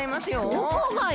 どこがよ！